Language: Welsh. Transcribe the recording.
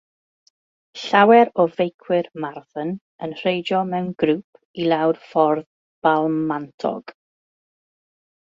Llawer o feicwyr marathon yn reidio mewn grŵp i lawr ffordd balmantog.